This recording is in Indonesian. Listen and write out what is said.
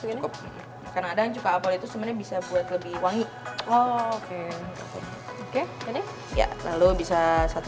cukup karena ada yang cuka apple itu sebenarnya bisa buat lebih wangi oke oke jadi ya lalu bisa satu